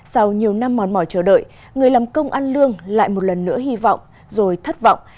sau nhiều năm mòn mỏi chờ đợi người làm công ăn lương lại một lần nữa hy vọng rồi thất vọng